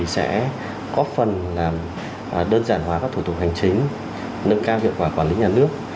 sẽ có phần đơn giản hóa các thủ tục hành chính nâng cao hiệu quả quản lý nhà nước